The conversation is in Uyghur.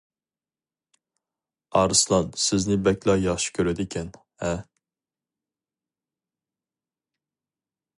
ئارسلان سىزنى بەكلا ياخشى كۆرىدىكەن ھە؟ !